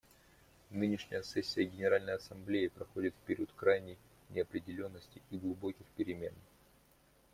Нынешняя сессия Генеральной Ассамблеи проходит в период крайней неопределенности и глубоких перемен.